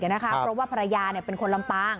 เพราะว่าภรรยาเป็นคนลำปาง